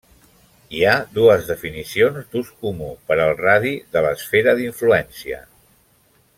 Hi ha dues definicions d'ús comú per al radi de l'esfera d'influència.